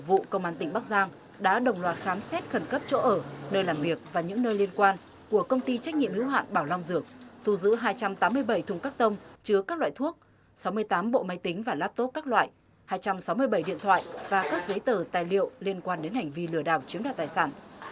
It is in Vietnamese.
vụ công an tỉnh bắc giang đã đồng loạt khám xét khẩn cấp chỗ ở nơi làm việc và những nơi liên quan của công ty trách nhiệm hữu hạn bảo long dược thu giữ hai trăm tám mươi bảy thùng các tông chứa các loại thuốc sáu mươi tám bộ máy tính và laptop các loại hai trăm sáu mươi bảy điện thoại và các giấy tờ tài liệu liên quan đến hành vi lừa đảo chiếm đoạt tài sản